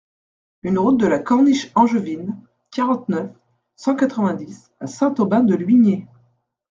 un route de la Corniche Angevine, quarante-neuf, cent quatre-vingt-dix à Saint-Aubin-de-Luigné